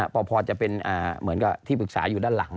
พอจะเป็นเหมือนกับที่ปรึกษาอยู่ด้านหลัง